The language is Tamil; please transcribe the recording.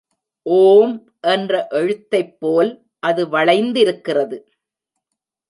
ஒம் என்ற எழுத்தைப் போல் அது வளைந்திருக்கிறது.